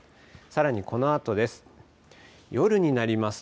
さらにこのあとです。